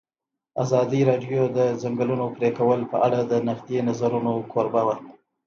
ازادي راډیو د د ځنګلونو پرېکول په اړه د نقدي نظرونو کوربه وه.